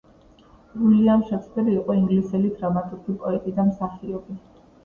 უილიამ შექსპირი იყო ინგლისელი დრამატურგი პოეტი და მსახიობი.